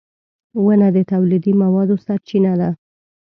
• ونه د تولیدي موادو سرچینه ده.